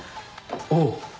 おう。